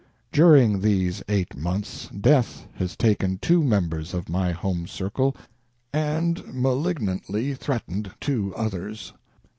During these eight months death has taken two members of my home circle and malignantly threatened two others.